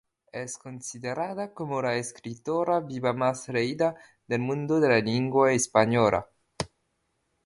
Es considerada como la escritora viva más leída del mundo de la lengua española.